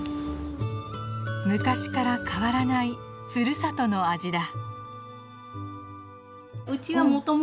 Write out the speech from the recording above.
昔から変わらないふるさとの味だ。